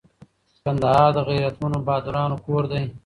کندهار د غیرتمنو بهادرانو کور دي